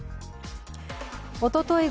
おととい